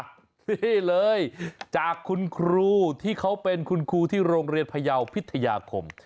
นี่เลยจากคุณครูที่เขาเป็นคุณครูที่โรงเรียนพยาวพิทยาคม